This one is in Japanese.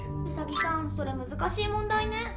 ウサギさんそれ難しい問題ね。